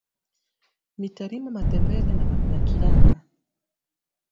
Mita rima matembele na kilanga